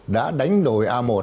đã đánh đổi a một